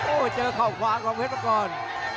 โอ้เจอเข้าขวาของเพชรประกอล